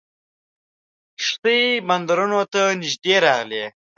کښتۍ بندرونو ته نیژدې راغلې.